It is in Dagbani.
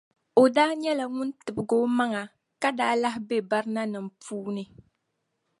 O daa nyɛla ŋun tibgi o maŋa, ka daa lahi be barinanim’ puuni.